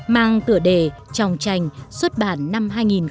mang tựa đề tròng trành xuất bản năm hai nghìn một mươi